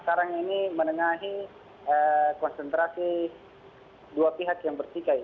sekarang ini menengahi konsentrasi dua pihak yang bertikai